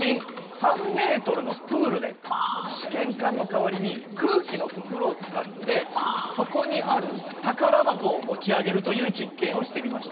試験管の代わりに空気の袋を使って底にある宝箱を持ち上げるという実験をしてみました。